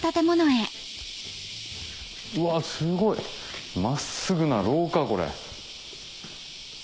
うわすごい真っすぐな廊下これ。